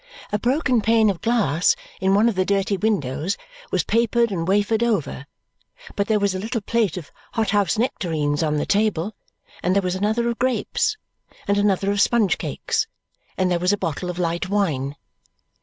A broken pane of glass in one of the dirty windows was papered and wafered over, but there was a little plate of hothouse nectarines on the table, and there was another of grapes, and another of sponge cakes, and there was a bottle of light wine.